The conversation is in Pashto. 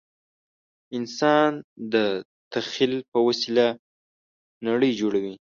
انسان د تخیل په وسیله نړۍ جوړوي.